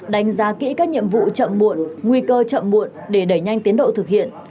đánh giá kỹ các nhiệm vụ chậm muộn nguy cơ chậm muộn để đẩy nhanh tiến độ thực hiện